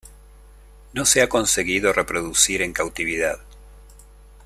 No se ha conseguido reproducir en cautividad.